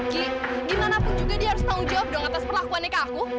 ki gimana pun juga dia harus tau jawab dong atas perlakuannya kakakku